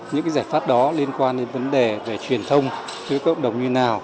những giải pháp đó liên quan đến vấn đề về truyền thông giữa cộng đồng như nào